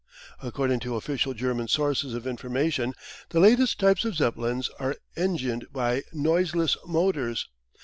According to official German sources of information the latest types of Zeppelins are engined by "noiseless" motors.